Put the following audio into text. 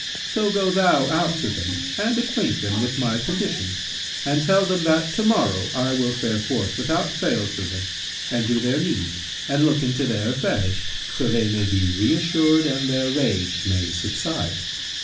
So go thou out to them and acquaint them with my condition and tell them that to morrow I will fare forth without fail to them and do their need and look into their affairs, so they may be reassured and their rage may subside.'